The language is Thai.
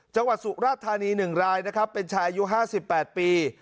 สุราธานี๑รายนะครับเป็นชายอายุ๕๘ปี